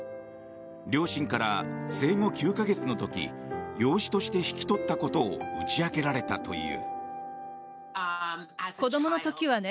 両親から生後９か月の時養子として引き取ったことを打ち明けられたという。